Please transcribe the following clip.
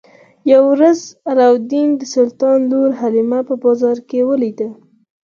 یوه ورځ علاوالدین د سلطان لور حلیمه په بازار کې ولیده.